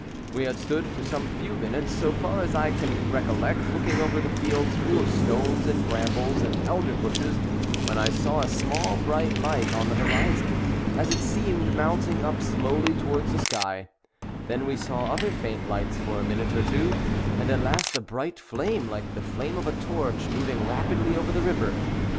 We had stood for some few minutes, so far as I can recollect, looking over the fields full of stones and brambles and elder bushes, when I saw a small bright light on the horizon, as it seemed, mounting up slowly towards the sky ; then we saw other faint lights for a minute or two, and at last a bright flame like the flame of a torch moving rapidly over the river.